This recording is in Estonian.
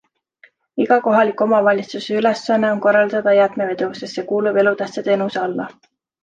Iga kohaliku omavalitsuse ülesanne on korraldada jäätmevedu, sest see kuulub elutähtsa teenuse alla.